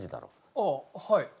ああはい。